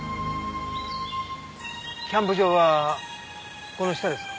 キャンプ場はこの下ですか？